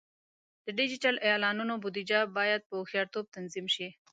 د ډیجیټل اعلانونو بودیجه باید په هوښیارتوب تنظیم شي.